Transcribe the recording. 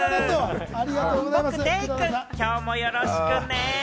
デイくん、今日もよろしくね。